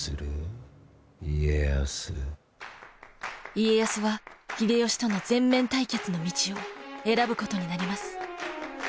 家康は秀吉との全面対決の道を選ぶことになります。